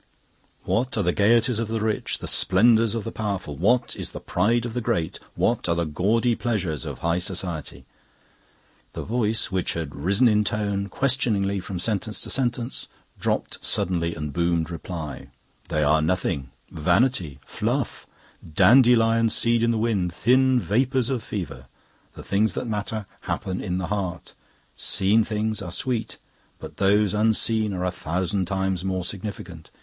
"'What are the gaieties of the Rich, the splendours of the Powerful, what is the pride of the Great, what are the gaudy pleasures of High Society?'" The voice, which had risen in tone, questioningly, from sentence to sentence, dropped suddenly and boomed reply. "'They are nothing. Vanity, fluff, dandelion seed in the wind, thin vapours of fever. The things that matter happen in the heart. Seen things are sweet, but those unseen are a thousand times more significant.